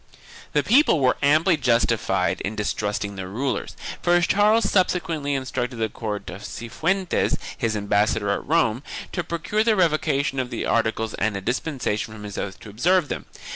1 The people were amply justified in distrusting their rulers, for Charles sub sequently instructed the Count of Cifuentes, his ambassador at Rome, to procure the revocation of the articles and a dispensation from his oath to observe them.